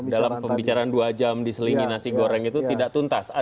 dalam pembicaraan dua jam di selingi nasi goreng itu tidak tuntas